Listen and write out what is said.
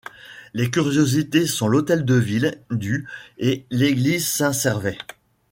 Les curiosités sont l'hôtel de ville du et l’église Saint-Servais.